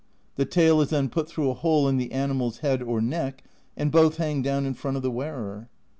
The tail is then put through a hole in the animal's head or neck, and both hang down in front of the wearer.